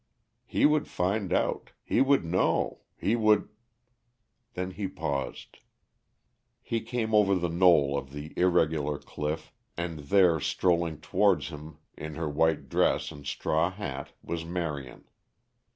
He would find out, he would know, he would Then he paused. He came over the knoll of the irregular cliff and there strolling towards him in her white dress and straw hat was Marion.